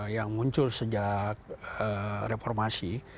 yang muncul sejak reformasi